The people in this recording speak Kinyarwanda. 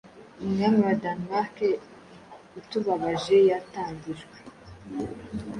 umwami wa Danemarke utababajeyatangijwe